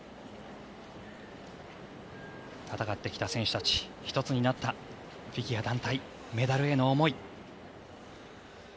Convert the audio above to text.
戦ってきた選手たち一つになったフィギュア団体メダルへの思い。